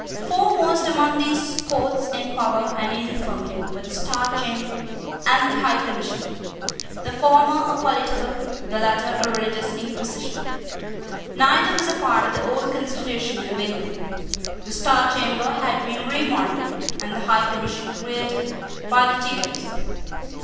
Foremost among these courts in power and in infamy were the Star Chamber and the High Commission, the former a political, the latter a religious inquisition. Neither was a part of the old constitution of England. The Star Chamber had been remodelled, and the High Commission created, by the Tudors.